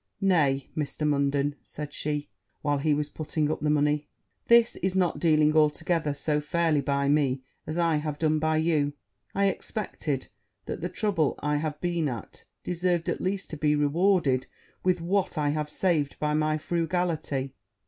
'Nay, Mr. Munden,' said she, while he was putting up the money, 'this is not dealing altogether so fairly by me as I have done by you: I expected that the trouble I have been at, deserved, at least, to be rewarded with what I have saved by my frugality.'